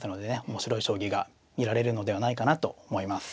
面白い将棋が見られるのではないかなと思います。